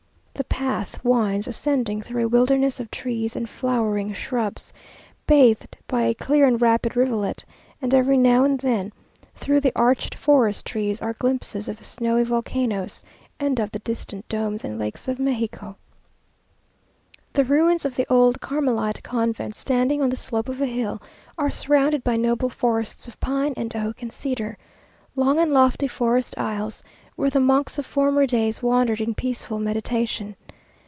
The path winds, ascending through a wilderness of trees and flowering shrubs, bathed by a clear and rapid rivulet; and every now and then, through the arched forest trees, are glimpses of the snowy volcanoes and of the distant domes and lakes of Mexico. The ruins of the old Carmelite convent, standing on the slope of a hill, are surrounded by noble forests of pine, and oak, and cedar; long and lofty forest aisles, where the monks of former days wandered in peaceful meditation.